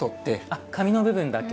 あっ紙の部分だけ。